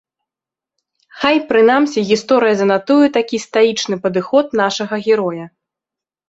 Хай прынамсі гісторыя занатуе такі стаічны падыход нашага героя.